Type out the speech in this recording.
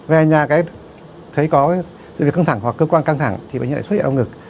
về nhà cái thấy có sự việc căng thẳng hoặc cơ quan căng thẳng thì bệnh nhân lại xuất hiện ở ngực